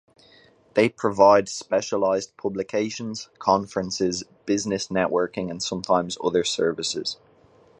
They provide specialized publications, conferences, business networking and sometimes other services.